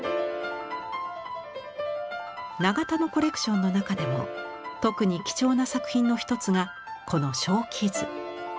永田のコレクションの中でも特に貴重な作品の一つがこの「鍾馗図」。